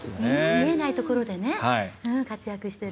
見えないところで活躍してる。